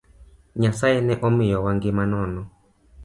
Nyasaye ne omiyowa ngima nono